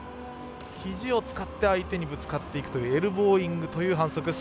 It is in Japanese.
ひじを使って相手にぶつかっていくというエルボーイングという反則。